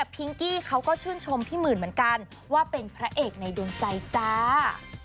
กี้เขาก็ชื่นชมพี่หมื่นเหมือนกันว่าเป็นพระเอกในดวงใจจ้า